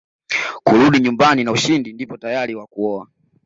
kurudi nyumbani na ushindi ndipo tayari wa kuoa